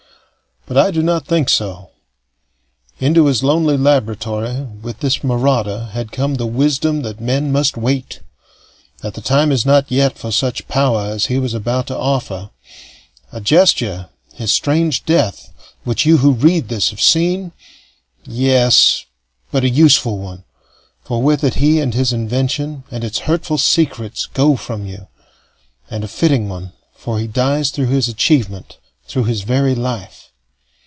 But I do not think so. Into his lonely laboratory, with this marauder, had come the wisdom that men must wait, that the time is not yet for such power as he was about to offer. A gesture, his strange death, which you who read this have seen? Yes, but a useful one, for with it he and his invention and its hurtful secrets go from you; and a fitting one, for he dies through his achievement, through his very life.